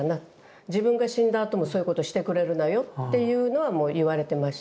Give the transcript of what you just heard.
自分が死んだあともそういうことしてくれるなよ」っていうのはもう言われてました。